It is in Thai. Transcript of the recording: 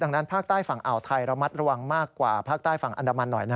ดังนั้นภาคใต้ฝั่งอ่าวไทยระมัดระวังมากกว่าภาคใต้ฝั่งอันดามันหน่อย